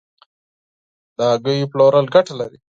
د هګیو پلورل ګټه لري؟